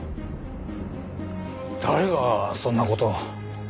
誰がそんな事を。